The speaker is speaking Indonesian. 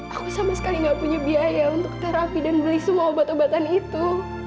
aku sama sekali nggak punya biaya untuk terapi dan beli semua obat obatan itu